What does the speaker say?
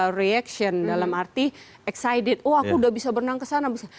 over reaction dalam arti excited oh aku sudah bisa berenang kesana bisa